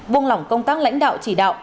bông lỏng công tác lãnh đạo chỉ đạo